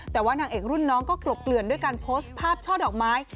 แต่ว่านางเอกรุ่นน้องก็กลบเกลื่อนด้วยการโพสต์ภาพช่อดอกไม้